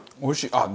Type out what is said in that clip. おいしい。